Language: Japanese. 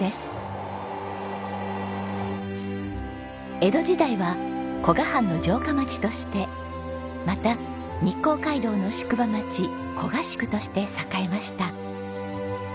江戸時代は古河藩の城下町としてまた日光街道の宿場町古河宿として栄えました。